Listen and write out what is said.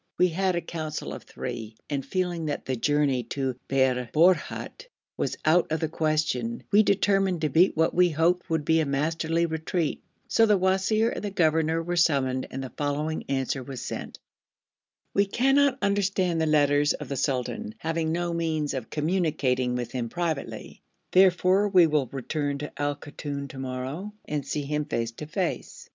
We had a council of three, and feeling that the journey to Bir Borhut was out of the question, we determined to beat what we hoped would be a masterly retreat, so the wazir and the governor were summoned and the following answer was sent: 'We cannot understand the letters of the sultan, having no means of communicating with him privately. Therefore we will return to Al Koton to morrow, and see him face to face.'